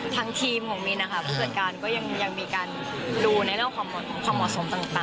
ทางทีมของมินนะคะผู้จัดการก็ยังมีการดูในเรื่องของความเหมาะสมต่าง